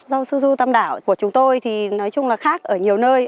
rau su suzu tam đảo của chúng tôi thì nói chung là khác ở nhiều nơi